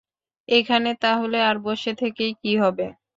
এখানে তাহলে আর বসে থেকেই কী হবে?